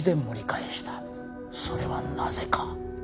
それはなぜか？